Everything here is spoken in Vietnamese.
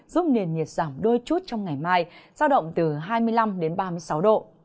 giúp nền nhiệt giảm đôi chút trong ngày mai giao động từ hai mươi năm đến ba mươi sáu độ